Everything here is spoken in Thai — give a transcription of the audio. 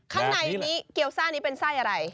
ข้างในนี้เกียวซ่านี้เป็นไส้อะไร